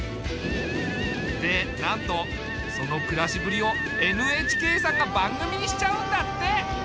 でなんとその暮らしぶりをＮＨＫさんが番組にしちゃうんだって。